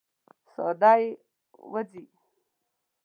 ساه یې وځي.